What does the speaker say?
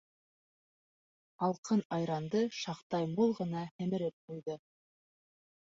Һалҡын айранды шаҡтай мул ғына һемереп ҡуйҙы.